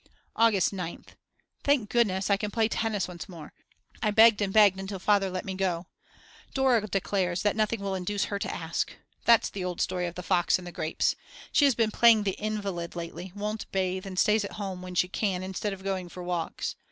August 9th. Thank goodness, I can play tennis once more; I begged and begged until Father let me go. Dora declares that nothing will induce her to ask! That's the old story of the fox and the grapes. She has been playing the invalid lately, won't bathe, and stays at home when she can instead of going for walks.